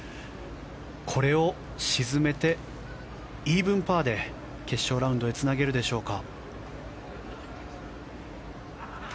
これを沈めてイーブンパーで決勝ラウンドへつなげるでしょうか。